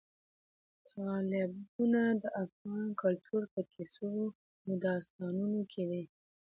تالابونه د افغان کلتور په کیسو او داستانونو کې دي.